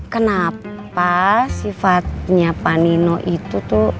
kenapa sifatnya panino itu tuh